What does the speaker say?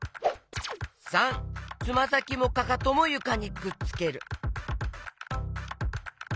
③つまさきもかかともゆかにくっつける。